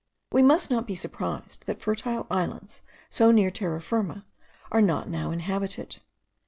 We must not be surprised that fertile islands, so near Terra Firma, are not now inhabited.